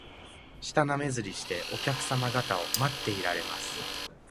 舌なめずりして、お客さま方を待っていられます